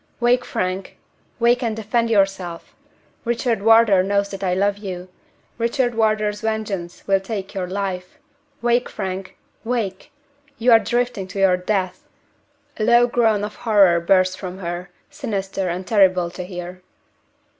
"Wake, Frank! wake and defend yourself! Richard Wardour knows that I love you Richard Wardour's vengeance will take your life! Wake, Frank wake! You are drifting to your death!" A low groan of horror bursts from her, sinister and terrible to hear.